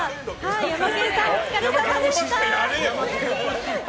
ヤマケンさん、お疲れさまでした。